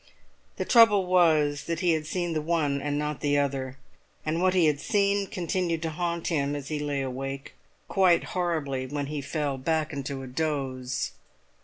The trouble was that he had seen the one and not the other, and what he had seen continued to haunt him as he lay awake, but quite horribly when he fell back into a doze.